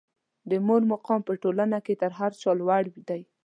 د مور مقام په ټولنه کې تر هر چا لوړ دی.